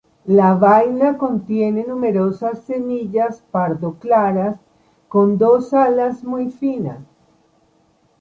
La vaina contiene numerosas semillas pardo claras con dos alas muy finas.